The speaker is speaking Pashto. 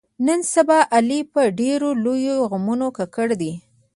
نن سبا علي په ډېرو لویو غمونو ککړ دی.